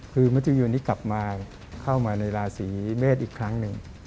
คือมัธยนนี้กลับมาเข้ามาในราศีเมษอีกครั้งหนึ่ง